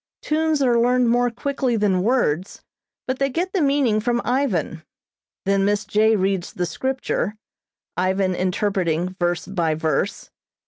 Tunes are learned more quickly than words, but they get the meaning from Ivan. Then Miss J. reads the Scripture, Ivan interpreting verse by verse.